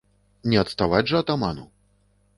Не адставаць жа атаману?